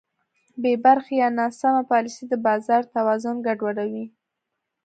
بېبرخې یا ناسمه پالیسي د بازار توازن ګډوډوي.